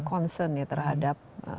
concern ya terhadap